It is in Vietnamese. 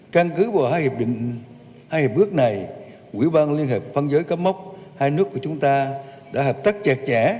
căn cứ vào hai hiệp ước này quỹ ban liên hiệp phân giới campuchia lào hai nước của chúng ta đã hợp tác chặt chẽ